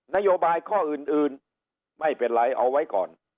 นโยบายข้ออื่นไม่เป็นไรเอาไว้ก่อน